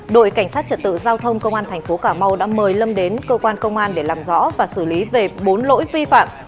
đội cảnh sát trật tự giao thông công an thành phố cà mau đã mời lâm đến cơ quan công an để làm rõ và xử lý về bốn lỗi vi phạm